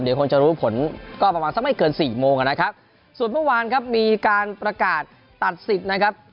เดี๋ยวคงจะรู้ผลก็ประมาณสักไม่เกินสี่โมงนะครับส่วนเมื่อวานครับมีการประกาศตัดสิทธิ์นะครับ